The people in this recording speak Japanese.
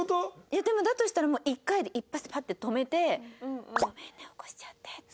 いやでもだとしたら１回で一発でパッて止めて「ごめんね起こしちゃって」って言って。